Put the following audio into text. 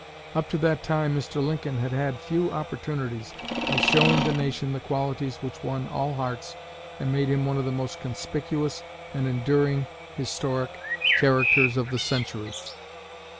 Up to that time Mr. Lincoln had had few opportunities of showing the nation the qualities which won all hearts and made him one of the most conspicuous and enduring historic characters of the century."